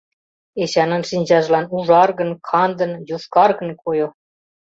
Эчанын шинчажлан ужаргын, кандын, йошкаргын койо.